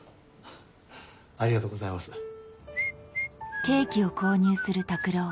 ありがとうございます。